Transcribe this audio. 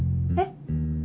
えっ？